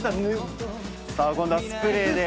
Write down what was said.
さあ今度はスプレーで。